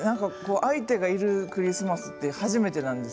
相手がいるクリスマスって初めてなんです